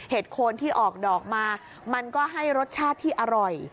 โคนที่ออกดอกมามันก็ให้รสชาติที่อร่อย